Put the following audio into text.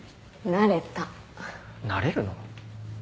慣れるの？